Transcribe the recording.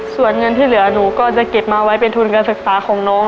ส่วนเงินที่เหลือหนูก็จะเก็บมาไว้เป็นทุนการศึกษาของน้อง